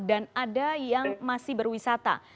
ada yang masih berwisata